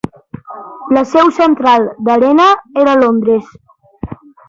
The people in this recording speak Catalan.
La seu central d'"Arena" era a Londres.